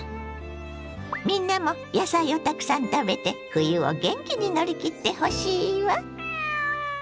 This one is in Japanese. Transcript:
みんなも野菜をたくさん食べて冬を元気に乗り切ってほしいわ！